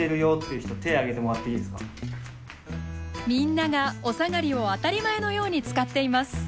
みんながおさがりを当たり前のように使っています。